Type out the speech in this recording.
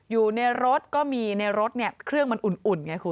อยู่ในรถก็มีในรถเนี่ยเครื่องมันอุ่นไงคุณ